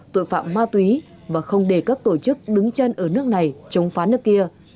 tội phạm ma túy và không để các tổ chức đứng chân ở nước này chống phá nước kia